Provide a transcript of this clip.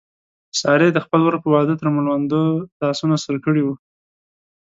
سارې د خپل ورور په واده تر مړونده لاسونه سره کړي و.